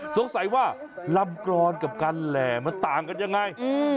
สงสัยว่าลำกรอนกับการแหล่มันต่างกันยังไง